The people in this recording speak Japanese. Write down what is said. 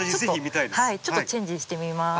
はいちょっとチェンジしてみます。